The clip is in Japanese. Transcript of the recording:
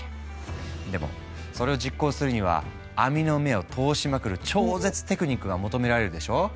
でもそれを実行するには網の目を通しまくる超絶テクニックが求められるでしょ？